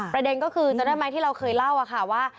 ประเด็นก็คือจำได้ไหมที่เราเคยเล่าค่ะว่า